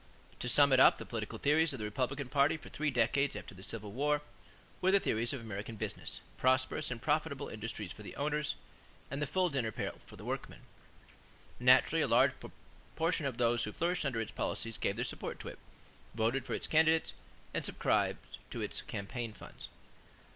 To sum it up, the political theories of the Republican party for three decades after the Civil War were the theories of American business prosperous and profitable industries for the owners and "the full dinner pail" for the workmen. Naturally a large portion of those who flourished under its policies gave their support to it, voted for its candidates, and subscribed to its campaign funds.